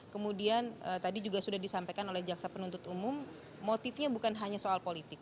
kemudian tadi juga sudah disampaikan oleh jaksa penuntut umum motifnya bukan hanya soal politik